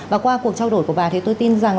và qua cuộc trao đổi của bà thì tôi tin rằng